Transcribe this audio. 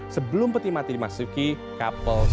sebelum peti mati dimasuki kapel st george